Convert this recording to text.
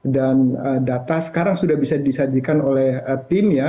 dan data sekarang sudah bisa disajikan oleh tim ya